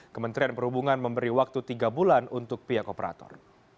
kementerian perhubungan memberi waktu tiga bulan untuk pihak operator